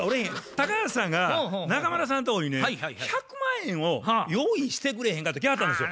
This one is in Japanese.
高橋さんが中村さんとこにね１００万円を用意してくれへんかと来はったんですよ。